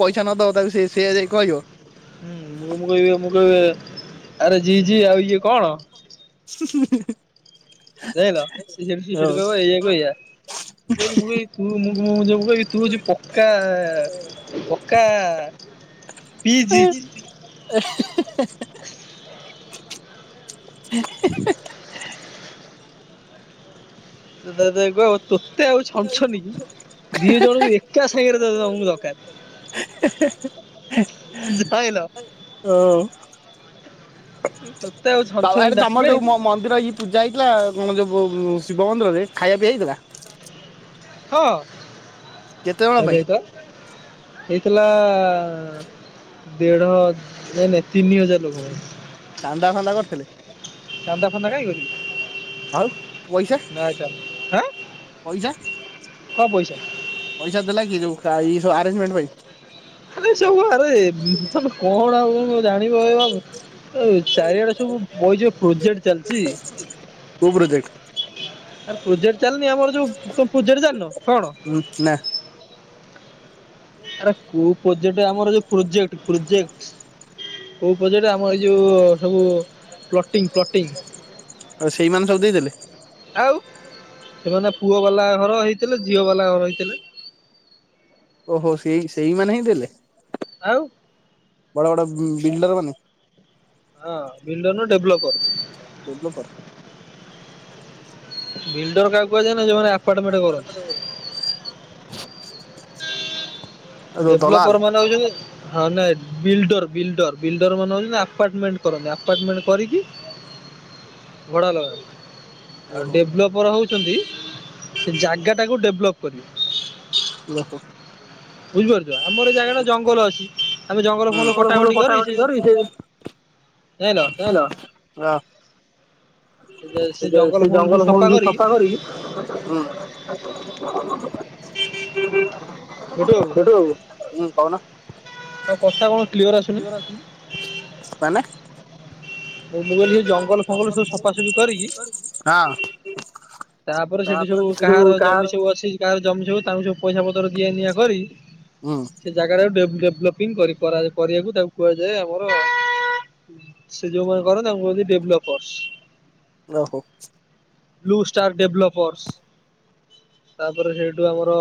ପଇସା ନ ଦବ ତାକୁ ସେ ସେୟା ଯାଇ କୁହାଯିବ। ହୁଁ ମୁଁ ମୁ କହିବି ମୁଁ କହିବି ଆରେ ଜି ଜି ଆଉ ଇଏ କଣ? ହୁଁ ହୁଁ ହୁଁ। ଜାଣିଲ ସିଏ ଯେମିତି ସେଠୁ କହିବ ଏୟା କୁ ଏୟା ମୁ କହିବି ମୁ ଏଇ ତୁ ମୁ ଯୋଉ କହିବି। ତୁ ହୋଉଚୁ ପକ୍କା ପକ୍କା ଏଁ ହେ ହେ ହେ। ହେ ହେ ହେ। ସିଏ ଦାଦା କୁ କହିବ ତତେ ଆଉ ଛଛନି କି ଦି ଜଣକୁ ଏକା ସାଙ୍ଗରେ ତମକୁ ଦରକାର। ହେ ହେ ହେ। କିଛି ପାଇଲ। ହଁ ଓଁ। ବାଭାରେ ତମର ଯୋଉ ମନ୍ଦିର ଇ ପୂଜା ହେଇଥିଲା ଯେଉ ଶିବ ମନ୍ଦିରରେ ଖାଇବା ପିଇ ହେଇଥିଲା? ହଁ, ଖାଇବା ପିଇବା ହେଇଥିଲା। ହେଇଥିଲା ଦେଢ ନାଇ ନାଇ ତିନି ହଜାରେ। ଚାନ୍ଦା ଫାନ୍ଦା କରିଥିଲେ? ଚାନ୍ଦା ଫନ୍ଦା କାଇଁ କରିବେ। ଆଉ ପଇସା, ପଇସା? କଣ ପଇସା? ପଇସା ଦେଲା କିଏ ଯୋଉ ଏଇ ସବୁ ଆରେଞ୍ଜେ୍ମେଣ୍ଟ୍ ପାଇଁ? ଆରେ ସବୁ ଆରେ ତମେ କଣ ଆଉ ଜାଣିବ ଏ ବାବୁ। ଏ ଚାରିଆଡେ ସବୁ ବଏଯ ପ୍ରୋଜେକ୍ଟ୍ ଚାଲିଚି। କୋଉ ପ୍ରୋଜେକ୍ଟ୍? ଆରେ ପ୍ରୋଜେକ୍ଟ୍ ଚାଲନି ଆମର ଯୋଉ ପ୍ରୋଜେକ୍ଟ୍ ଜାଣିନ କଣ? ଉଁ ନା। ଆରେ କୋଉ ପ୍ରଜେକ୍ଟେ ଆମର ଯୋଉ ପ୍ରୋଜେକ୍ଟେ ପ୍ରୋଜେକ୍ଟେ କୋଉ ପ୍ରୋଜେକ୍ଟେ ଆ ଏ ଯୋଉ ସବୁ ପ୍ଲଟିଙ୍ଗ୍ ପ୍ଲଟିଙ୍ଗ୍। ସେଇମାନେ ସବୁ ଦେଇଦେଲେ? ଆଉ। ସେମାନେ ପୁଅ ବାଲା ଘର ହେଇଥିଲେ ଝିଅ ବାଲା ଘର ହେଇଥିଲେ। ଓହୋ ସେଇ ସେଇମାନେ ହିଁ ଦେଲେ। ଆଉ ବଡ ବଡ ବିଲ୍ଡର ମାନେ। ହଁ ବିଲ୍ଡର ନୁହେଁ ଡେଭ୍ଲପର। ଡେଭ୍ଲପର୍। ବିଲ୍ଡର କାହାକୁହା ଯାଏନା ଯୋଉମାନେ ଆପାର୍ଟମେଣ୍ଟ କରନ୍ତି। ସୁ ଡେଭ୍ଲପର ମାନେ ହୋଉଛନ୍ତି। ହଁ ନାଇଁ ବିଲ୍ଡର ବିଲ୍ଡର ବିଲ୍ଡର ମାନେ ହେଉଛନ୍ତି ଆପାର୍ଟମେଣ୍ଟ କରନ୍ତି। ଆପାର୍ଟମେଣ୍ଟ କରିକି ଭଡ଼ା ଲଗାନ୍ତି। ଆଉ ଡେଭଲପ୍ ର ହଉଛନ୍ତି ସେ ଜାଗା ଟାକୁ ଡେଭଲପ୍ କରିବ। ଓହୋ। ବୁଝିପାରୁଛ ଆମର ଏ ଜାଗାଟା ଜଙ୍ଗଲ ଅଛି ଆମେ ଜଙ୍ଗଲ ଫଲ କଟାକଟି କରି ସେ ଯାଇଁଲ। ହେଲୋ। [unintelligible] ସେଇ ଜଙ୍ଗଲ ଫଙ୍ଗଲ ସବୁ ସଫା କରିକି ହୁଁ। ହୁଁ ହୁଁ ସେଠୁ ହୁଁ କହୁନ। ମାନେ ମୁଁ କହିଲି ସେ ଜଙ୍ଗଲ ଫଙ୍ଗଲ ସବୁ ସଫାସୁଫି କରିକି ହଁ। ତାପରେ ସେଠି ସବୁ କାହାର ଜମି ସବୁ ଅଛି କାହାର ଜମି ସବୁ ତାଙ୍କୁ ସବୁ ପଇସା ପତର ଦିଆ ନିିଆ କରି ହୁଁ। ସେ ଜାଗା ଟା ଡେଭଲପିଂ କରି କରାଯାଏ କରିବାକୁ ତାକୁ କୁହାଯାଏ ଆମର ସେ ଯୋଉମାନେ କର ତାଙ୍କୁ କୁହନ୍ତି ଡେଭଲପ୍ ରସ ଓହୋ। ବ୍ଲୁ ଷ୍ଟାର ଡେଭଲପର୍ସ ତାପରେ ସେଇଠୁ ଆମର